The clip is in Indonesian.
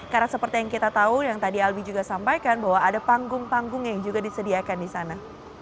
karena seperti yang kita tahu yang tadi albi juga sampaikan bahwa ada panggung panggung yang juga disediakan di sana